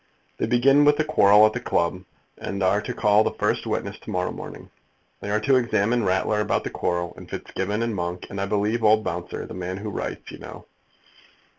They begin with the quarrel at the club, and are to call the first witness to morrow morning. They are to examine Ratler about the quarrel, and Fitzgibbon, and Monk, and, I believe, old Bouncer, the man who writes, you know.